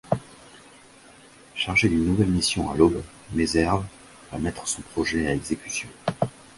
Chargé d'une nouvelle mission à l'aube, Meserve va mettre son projet à exécution.